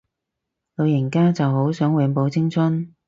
老人家就好想永葆青春